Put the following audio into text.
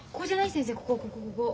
先生ここここここ。